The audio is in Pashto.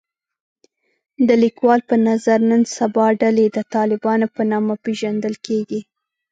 د لیکوال په نظر نن سبا ډلې د طالبانو په نامه پېژندل کېږي